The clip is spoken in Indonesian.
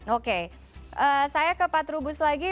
oke saya ke pak trubus lagi